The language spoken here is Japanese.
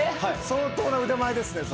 相当な腕前ですね。